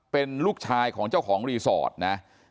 เป็นลูกชายของเจ้าของรีสอร์ทนะ